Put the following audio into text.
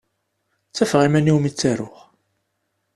Ttafeɣ iman-iw mi ttaruɣ.